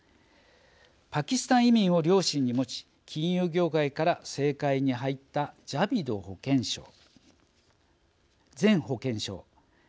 パキスタン移民を両親にもち金融業界から政界に入ったジャビド保健相ジャビド前保健相。